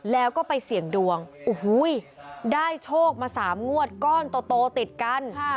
แล้วก็ไปเสี่ยงดวงโอ้โหได้โชคมา๓งวดก้อนโตติดกัน